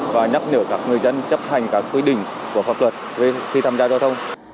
và nhắc nhở các người dân chấp hành các quy định của pháp luật khi tham gia giao thông